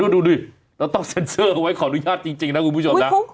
ดูดิเราต้องเซ็นเซอร์ไว้ขออนุญาตจริงนะคุณผู้ชมนะ